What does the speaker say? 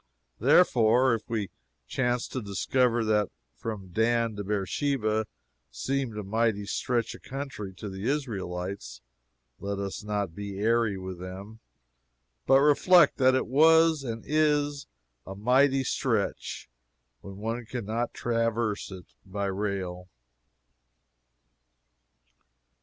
Therefore, if we chance to discover that from Dan to Beersheba seemed a mighty stretch of country to the Israelites, let us not be airy with them, but reflect that it was and is a mighty stretch when one can not traverse it by rail.